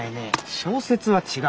小説は違う。